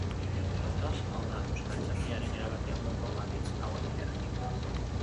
Hortaz, hau da Euskaltzaindiaren erabakia ondoko aditz hauen erregimenaz.